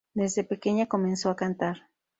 Desde pequeña comenzó a cantar.